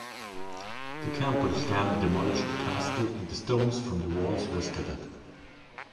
The Campbell clan demolished the castle, and the stones from the walls were scattered.